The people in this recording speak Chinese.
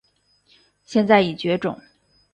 现在已绝种。